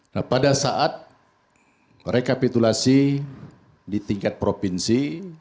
nah pada saat rekapitulasi di tingkat provinsi